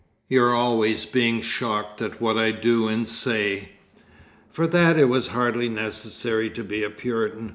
You're always being shocked at what I do and say." For that, it was hardly necessary to be a Puritan.